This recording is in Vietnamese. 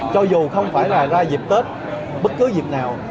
cho dù không phải là ra dịp tết bất cứ dịp nào